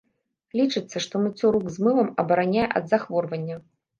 Лічыцца, што мыццё рук з мылам абараняе ад захворвання.